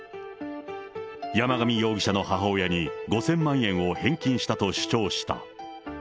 山上容疑者の母親に５０００万円を返金したと主張した。